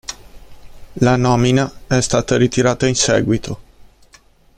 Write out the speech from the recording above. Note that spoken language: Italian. La nomina è stata ritirata in seguito.